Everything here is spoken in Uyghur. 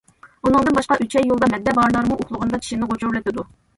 ئۇنىڭدىن باشقا ئۈچەي يولىدا مەددە بارلارمۇ ئۇخلىغاندا چىشىنى غۇچۇرلىتىدۇ.